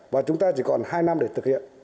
và chúng ta chỉ còn hai năm để thực hiện